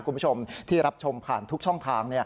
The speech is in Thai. คุณผู้ชมที่รับชมผ่านทุกช่องทาง